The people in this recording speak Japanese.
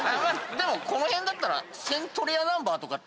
でもこの辺だったら。